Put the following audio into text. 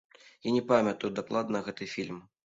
Я не памятаю дакладна гэты фільм.